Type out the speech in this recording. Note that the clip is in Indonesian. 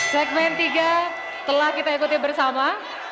segmen tiga telah kita ikuti bersama